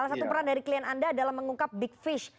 salah satu peran dari klien anda adalah mengungkap big fish